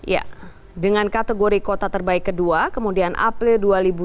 ya dengan kategori kota terbaik kedua kemudian april dua ribu dua puluh